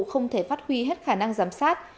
không thể phát huy hết khả năng giám sát